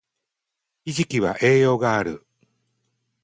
ひじきは栄養がある